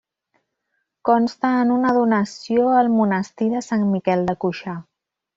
Consta en una donació al monestir de Sant Miquel de Cuixà.